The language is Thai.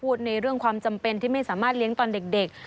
ในเรื่องความจำเป็นที่ไม่สามารถเลี้ยงตอนเด็ก